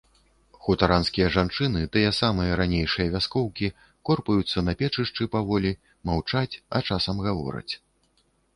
Хутаранскія жанчыны, тыя самыя ранейшыя вяскоўкі, корпаюцца на печышчы паволі, маўчаць, а часам гавораць.